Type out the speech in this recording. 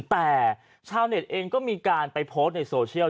แต่ชาวเน็ตเองก็มีการไปโพสต์ในโซเชียล